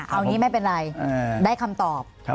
เอางี้ไม่เป็นไรได้คำตอบ